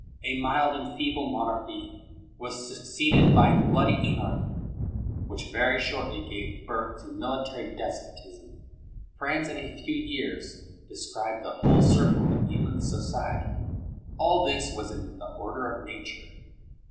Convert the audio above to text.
A mild and feeble monarchy was suc ceeded by bloody anarchy, which very shortly gave birtii to military despotism. France, in a few years, described the whole circle of human society. All this was in the order of nature.